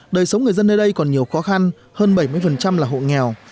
đời sống người dân nơi đây còn nhiều khó khăn hơn bảy mươi là hộ nghèo